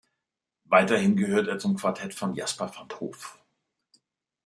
Weiterhin gehört er zum Quartett von Jasper van’t Hof.